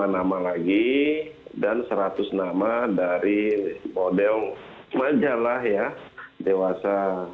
lima nama lagi dan seratus nama dari model majalah ya dewasa